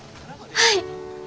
はい。